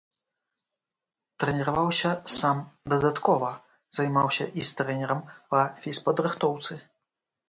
Трэніраваўся сам дадаткова, займаўся і з трэнерам па фізпадрыхтоўцы.